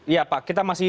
ya pak kita masih